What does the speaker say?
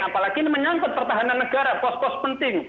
apalagi menyangkut pertahanan negara kos kos penting